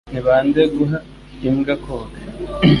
Ni bande guha imbwa koga?